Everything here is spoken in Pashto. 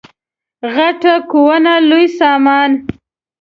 غټه کونه لوی سامان.